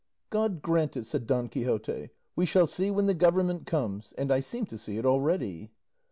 "God grant it," said Don Quixote; "we shall see when the government comes; and I seem to see it already."